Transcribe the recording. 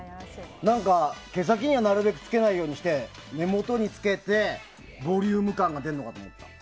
何か、毛先にはなるべくつけないようにして根元につけるとボリューム感が出るのかと。